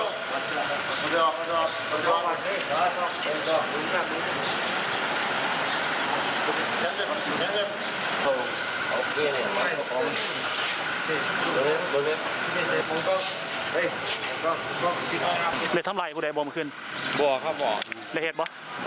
กลับไปครับ